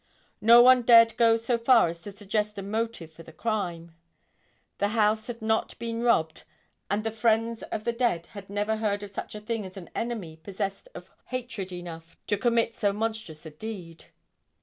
No one dared go so far as to suggest a motive for the crime. The house had not been robbed and the friends of the dead had never heard of such a thing as an enemy possessed of hatred enough to commit so monstrous a deed.